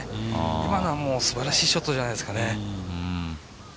今のはすばらしいショットじゃないですかね。